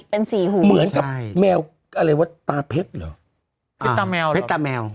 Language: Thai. เป็นสี่หูเหมือนกับแมวอะไรวะตาเพชรเหรอเพชรตาแมวเพชรตาแมว